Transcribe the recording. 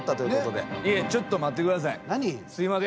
すいません。